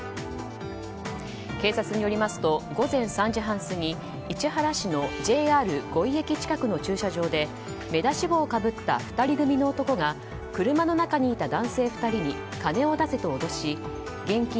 警察によりますと午前３時半過ぎ市原市のＪＲ五井駅近くの駐車場で目出し帽をかぶった２人組の男が車の中にいた男性２人に金を出せと脅し現金